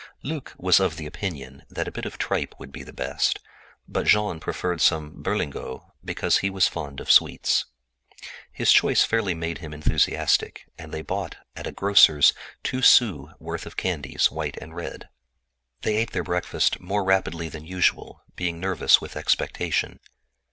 Luc was of the opinion that a little tripe would be the best, but Jean preferred some berlingots because he was fond of sweets. His choice fairly made him enthusiastic, and they bought at a grocer's two sous' worth of white and red candies. They ate their breakfast more rapidly than usual, being nervous with expectation.